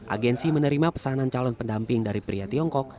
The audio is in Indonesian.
agensi menerima pesanan calon pendamping dari pria tiongkok